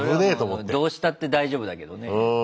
それはもうどうしたって大丈夫だけどね。